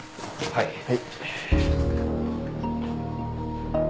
はい。